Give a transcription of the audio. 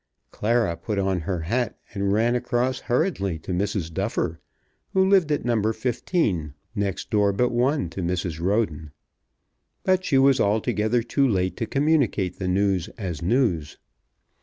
Clara put on her hat and ran across hurriedly to Mrs. Duffer, who lived at No. 15, next door but one to Mrs. Roden. But she was altogether too late to communicate the news as news.